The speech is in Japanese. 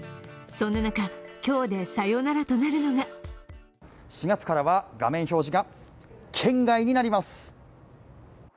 そんな中、今日でさよならとなるのが４月からは画面表示が圏外になります。